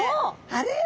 あれ？